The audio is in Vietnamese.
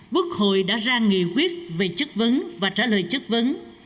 quốc hội đã ra nghị quyết về chức vấn và trả lời chức vấn